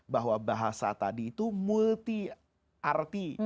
bahwa bahasa tadi itu multi arti